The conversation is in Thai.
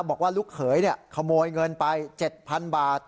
บอกว่าลูกเขยขโมยเงินไป๗๐๐๐บาท